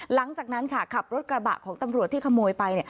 หลังจากนั้นค่ะขับรถกระบะของตำรวจที่ขโมยไป